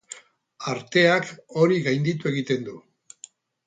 Arteak hori gainditu egiten du.